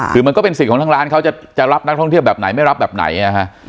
คือมันก็เป็นสิทธิ์ของทางร้านเขาจะรับนักท่องเที่ยวแบบไหนไม่รับแบบไหนนะฮะ